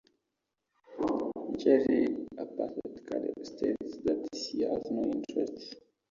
Jerry apathetically states that he has no interest.